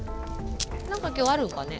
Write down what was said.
何か今日あるのかね。